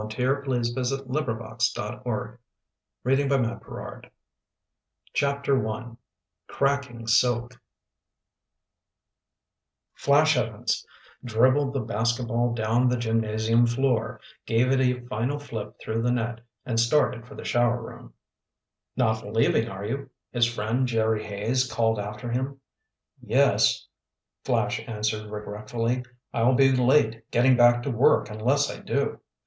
FADE OUT 202 FLASH EVANS CAMERA NEWS HAWK CHAPTER I CRACKING SILK Flash Evans dribbled the basketball down the gymnasium floor, gave it a final flip through the net, and started for the shower room. "Not leaving, are you?" his friend, Jerry Hayes, called after him. "Yes," Flash answered regretfully, "I'll be late getting back to work unless I do.